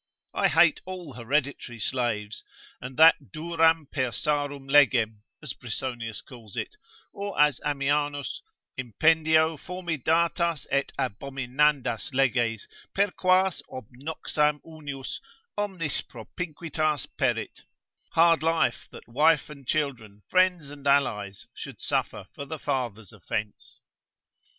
I hate all hereditary slaves, and that duram Persarum legem as Brisonius calls it; or as Ammianus, impendio formidatas et abominandas leges, per quas ob noxam unius, omnis propinquitas perit hard law that wife and children, friends and allies, should suffer for the father's offence.